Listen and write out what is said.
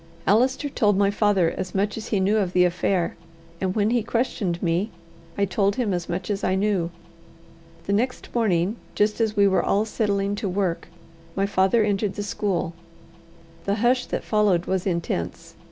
Allister told my father as much as he knew of the affair; and when he questioned me, I told him as much as I knew. The next morning, just as we were all settling to work, my father entered the school. The hush that followed was intense.